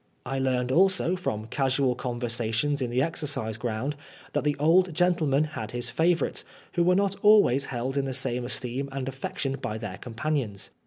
I learned also, from casual conversations in the exercise ground, that the old gentleman had his favorites, who were not always held in the same esteem and affection by their companions.